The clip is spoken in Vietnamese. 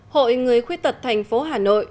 hội người khuyết tật thành phố hà nội